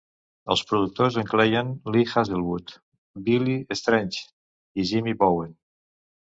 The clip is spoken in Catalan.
Els productors incloïen Lee Hazlewood, Billy Strange i Jimmy Bowen.